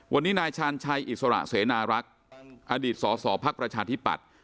วันนี้นายชาญชัยอิสระเสนารักษ์อดีตสสพธิปัตร